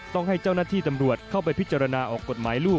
ต้องให้เจ้าหน้าที่ตำรวจเข้าไปพิจารณาออกกฎหมายลูก